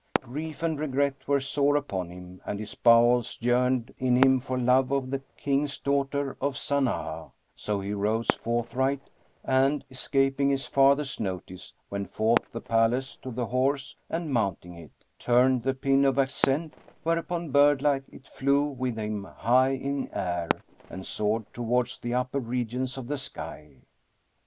Grief and regret were sore upon him and his bowels yearned in him for love of the King's daughter of Sana'a; so he rose forthright and, escaping his father's notice, went forth the palace to the horse and mounting it, turned the pin of ascent, whereupon bird like it flew with him high in air and soared towards the upper regions of the sky.